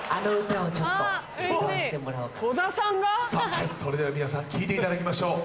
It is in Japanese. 戸田さんが⁉それでは皆さん聴いていただきましょう。